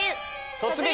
「突撃！